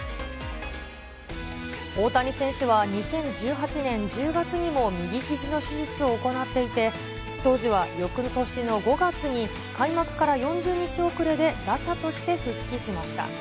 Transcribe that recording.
大谷選手は２０１８年１０月にも右ひじの手術を行っていて、当時はよくとしの５月に、開幕から４０日遅れで打者として復帰しました。